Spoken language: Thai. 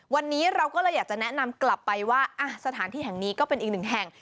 วันนี้เราก็เลยอยากจะแนะนำกลับไปว่าสถานที่แห่งนี้ก็เป็นอีกหนึ่งแห่ง